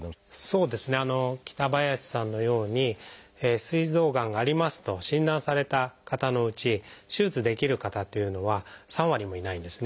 そうですね北林さんのようにすい臓がんがありますと診断された方のうち手術できる方っていうのは３割もいないんですね。